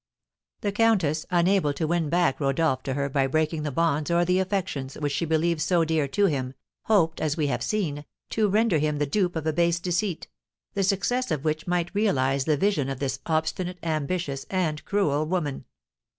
The countess, unable to win back Rodolph to her by breaking the bonds or the affections which she believed so dear to him, hoped, as we have seen, to render him the dupe of a base deceit, the success of which might realise the vision of this obstinate, ambitious, and cruel woman.